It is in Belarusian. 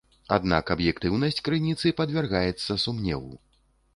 Аднак аб'ектыўнасць крыніцы падвяргаецца сумневу.